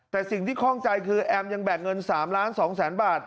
แต่สิ่งที่คล่องใจคือแอมยังแบกเงิน๓ล้าน๒แสนบาท